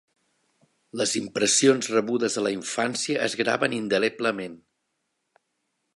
Les impressions rebudes a la infància es graven indeleblement.